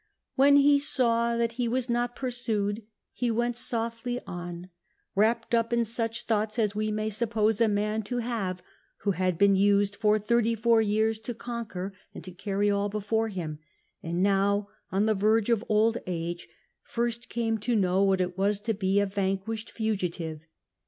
"When he saw that he was not pursued, he went softly on, wrapped up in such thoughts as we may sup pose a man to have who had been used for thirty four years to conquer and to carry all before him, and now, on the verge of old age, first came to know what it was to be a vanquished fugitive.